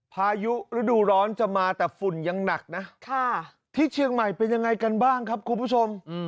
พายุฤดูร้อนจะมาแต่ฝุ่นยังหนักนะที่เชียงใหม่เป็นยังไงกันบ้างครับคุณผู้ชม